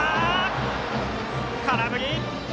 空振り！